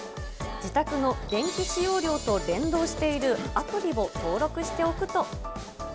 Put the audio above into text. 自宅の電気使用量と連動しているアプリを登録しておくと。